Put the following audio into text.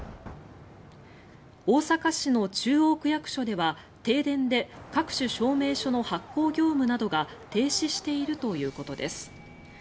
大阪市の中央区役所では停電で各種証明書の発行業務などが停止しているということです。